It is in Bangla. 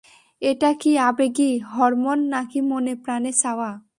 এটা কী আবেগী হরমোন নাকি মনে-প্রাণে চাওয়া?